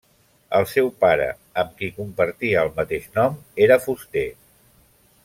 El seu pare, amb qui compartia el mateix nom, era fuster.